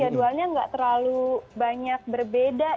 ternyata tidak terlalu banyak berbeda